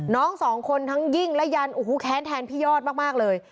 น้องสองคนทั้งยิ่งและยันโอ้โหแค้นแทนพี่ยอดมากเลย